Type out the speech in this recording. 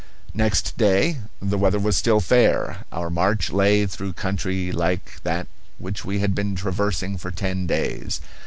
Next day the weather was still fair. Our march lay through country like that which we had been traversing for ten days.